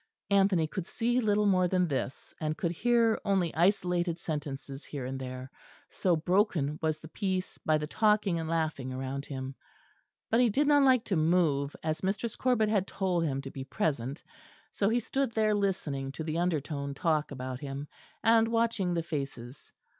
Anthony could see little more than this, and could hear only isolated sentences here and there, so broken was the piece by the talking and laughing around him. But he did not like to move as Mistress Corbet had told him to be present, so he stood there listening to the undertone talk about him, and watching the faces.